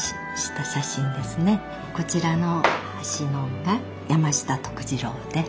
こちらの端のが山下徳治郎で。